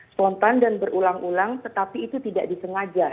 spontan dan berulang ulang tetapi itu tidak disengaja